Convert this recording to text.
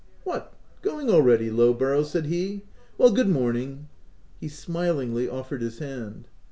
What, going already, Lowborough !" said he. "Well, good morning/* He smilingly offered his hand.